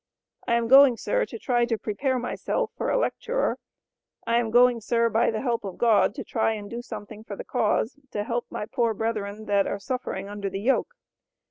I am going sir to try to Prepair myself for a Lectuer, I am going sir By the Help of god to try and Do something for the Caus to help my Poor Breathern that are suffering under the yoke.